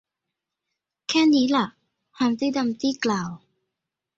แค่นี้ล่ะ ฮัมพ์ตี้ดัมพ์ตี้กล่าว